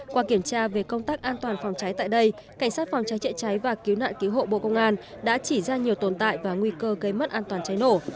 qua kiểm tra về công tác an toàn phòng cháy tại đây cảnh sát phòng cháy chữa cháy và cứu nạn cứu hộ bộ công an đã chỉ ra nhiều tồn tại và nguy cơ gây mất an toàn cháy nổ